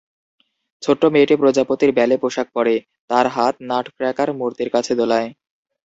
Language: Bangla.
ছোট্ট মেয়েটি প্রজাপতির ব্যালে পোশাক পরে, তার হাত নাটক্র্যাকার মূর্তির কাছে দোলায়।